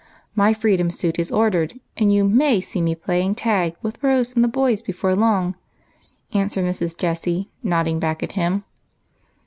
My freedom suit is ordered, and you may see me playing tag with Rose and the boys before long," answered Mrs. Jessie, nodding back at him.